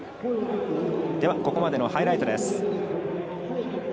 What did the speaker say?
ここまでのハイライトです。